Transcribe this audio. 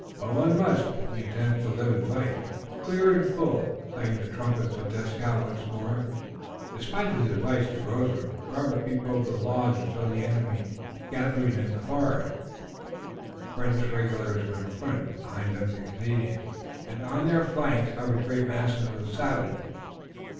"But one must, if he intends to live and fight." Clear and full sang the trumpets of Dieskau once more. Despite his advice to Grosvenor, Robert peeped over the log and saw the enemy gathering in the forest. The French regulars were in front, behind them the Canadians, and on the flanks hovered great masses of savages.